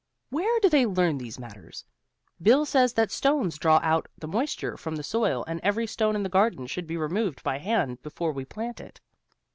Where do they learn these matters? Bill says that stones draw out the moisture from the soil and every stone in the garden should be removed by hand before we plant.